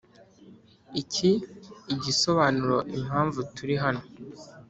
iki igisobanuro impamvu turi hano